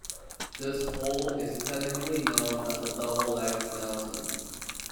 This hold is technically known as a double leg nelson.